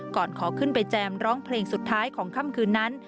ขอขึ้นไปแจมร้องเพลงสุดท้ายของค่ำคืนนั้น